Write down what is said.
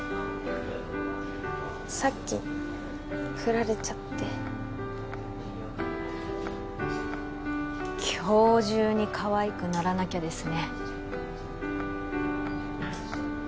さっきフラれちゃって今日中にかわいくならなきゃですね